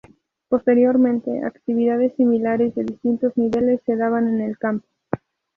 Posteriormente actividades similares de distintos niveles se daban en el campo.